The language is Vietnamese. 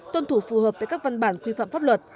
tuân thủ phù hợp tại các văn bản quy phạm pháp luật